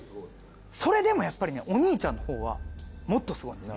それでもやっぱりねお兄ちゃんのほうはもっとすごい。